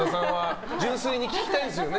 純粋に聞きたいんですよね。